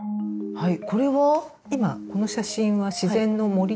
はい。